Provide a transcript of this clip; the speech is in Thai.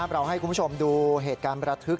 เราให้คุณผู้ชมดูเหตุการณ์ประทึก